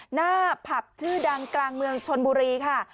หน้าผับชื่อดังกลางเมืองชนบุรีค่ะ